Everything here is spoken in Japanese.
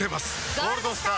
「ゴールドスター」！